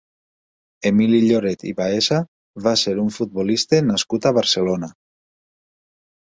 Emili Lloret i Baeza va ser un futbolista nascut a Barcelona.